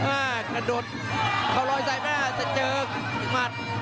อ้าวขนดดเขาลอยใส่หน้าเส้นเจิงมัด